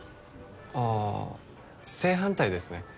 あー正反対ですね